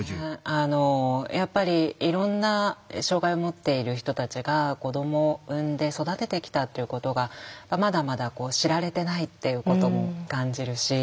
あのやっぱりいろんな障害をもっている人たちが子どもを産んで育ててきたっていうことがまだまだ知られてないっていうことも感じるし。